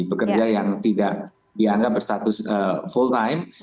pekerja yang tidak dianggap berstatus full time